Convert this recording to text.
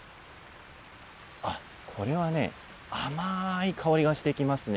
あっ、これはね、甘ーい香りがしてきますね。